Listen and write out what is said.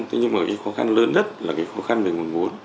thế nhưng mà cái khó khăn lớn nhất là cái khó khăn về nguồn vốn